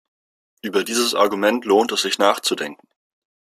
Über dieses Argument lohnt es sich nachzudenken.